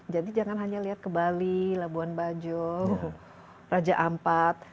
jadi jangan hanya lihat ke bali labuan bajo raja ampat